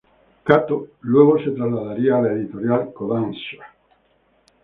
Kato luego se trasladaría a la editorial Kōdansha.